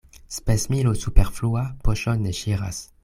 Spesmilo superflua poŝon ne ŝiras.